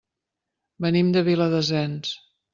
Venim de Viladasens.